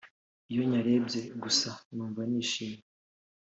iyo nyarebye gusa numva nishimye